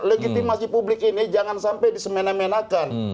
legitimasi publik ini jangan sampai disemena menakan